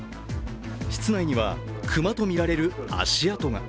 室内には熊とみられる足跡が。